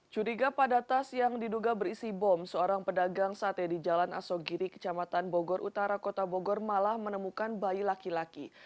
curiga pada tas yang diduga berisi bom seorang pedagang sate di jalan asogiri kecamatan bogor utara kota bogor malah menemukan bayi laki laki